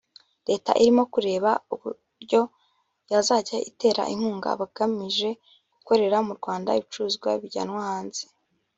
leta irimo kureba uburyo yazajya itera inkunga abagamije gukorera mu Rwanda ibicuruzwa bijyanwa hanze